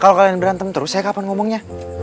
kalau kalian berantem terus saya kapan ngomongnya